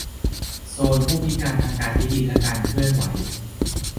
โซนผู้พิการทางการได้ยินและการเคลื่อนไหว